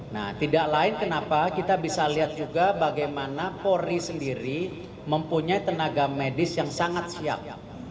nah tidak lain kenapa kita bisa lihat juga bagaimana polri sendiri mempunyai tenaga medis yang sangat siap